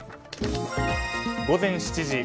午前７時。